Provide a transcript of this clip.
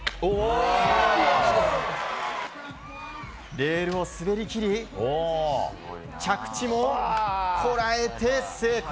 レールを滑りきり着地もこらえて、成功。